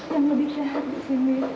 yang lebih sehat di sini